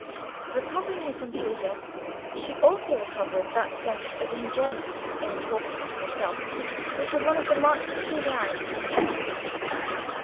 Recovering her composure, she also recovered that sense of enjoyment in talking of herself, which was one of the marked peculiarities in her character.